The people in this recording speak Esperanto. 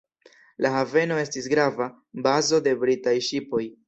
La haveno estis grava bazo de britaj ŝipoj.